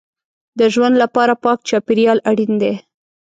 د ژوند لپاره پاک چاپېریال اړین دی.